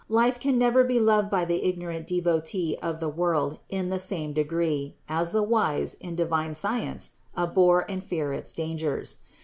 Life can never be loved by the ignorant devotee of the world in the same degree, as the wise, in divine science, abhor and fear its dangers.